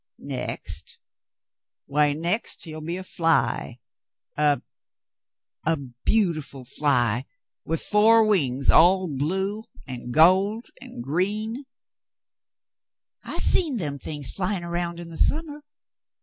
" "Next — why, next he'll be a fly — a — a beautiful fly with four wings all blue and gold and green —" *'I seen them things flyin' round in the summeh.